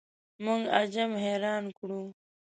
موږ عجم حیران کړو.